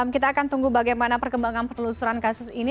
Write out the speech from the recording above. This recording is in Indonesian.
kita akan tunggu bagaimana perkembangan penelusuran kasus ini